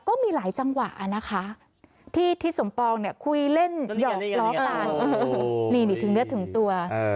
ก็มีหลายจังหวะนะคะที่ทิศสมปองเนี่ยคุยเล่นหยอกล้อกันนี่ถึงเนื้อถึงตัว